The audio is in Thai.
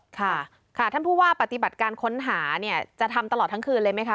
ท่านผู้ว่าปฏิบัติการค้นหาจะทำตลอดทั้งคืนเลยไหมคะ